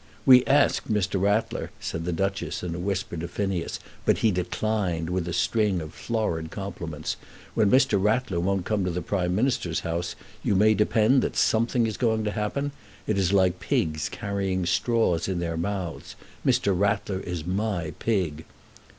"We asked Mr. Rattler," said the Duchess in a whisper to Phineas, "but he declined, with a string of florid compliments. When Mr. Rattler won't come to the Prime Minister's house, you may depend that something is going to happen. It is like pigs carrying straws in their mouths. Mr. Rattler is my pig."